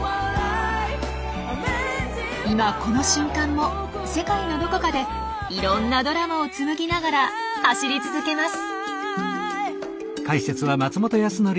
今この瞬間も世界のどこかでいろんなドラマを紡ぎながら走り続けます。